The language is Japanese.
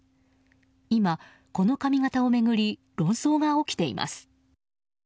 今、この髪形を巡り論争が起きています。